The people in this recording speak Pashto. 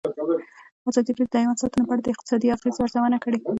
ازادي راډیو د حیوان ساتنه په اړه د اقتصادي اغېزو ارزونه کړې.